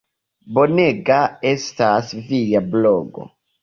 Bonega estas via blogo.